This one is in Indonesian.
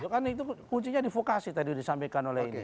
kan itu kuncinya di vokasi tadi disampaikan oleh ini